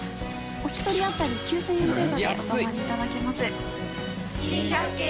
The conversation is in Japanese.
お一人当たり９０００円程度でお泊まり頂けます。